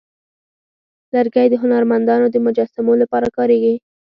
لرګی د هنرمندانو د مجسمو لپاره کارېږي.